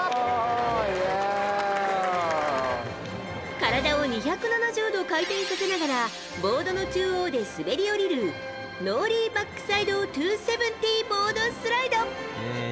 体を２７０度回転させながらボードの中央で滑り降りるノーリーバックサイド２７０ボードスライド。